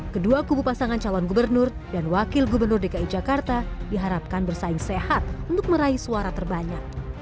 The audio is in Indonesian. kedua kubu pasangan calon gubernur dan wakil gubernur dki jakarta diharapkan bersaing sehat untuk meraih suara terbanyak